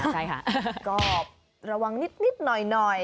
ก็ระวังนิดหน่อย